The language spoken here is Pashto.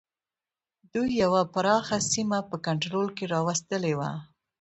دوی یوه پراخه سیمه په کنټرول کې را وستلې وه.